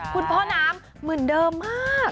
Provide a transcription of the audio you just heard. คุณพ่อน้ำเหมือนเดิมมาก